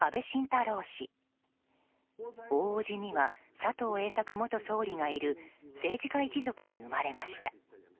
大叔父には佐藤栄作元総理がいる政治家一族に生まれました。